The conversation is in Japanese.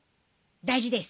大事です。